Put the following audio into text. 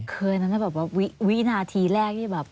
คือนั้นแบบวินาทีแรกเนี่ยแบบ